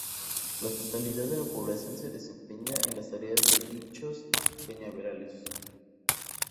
La totalidad de la población se desempeña en las tareas de dichos cañaverales.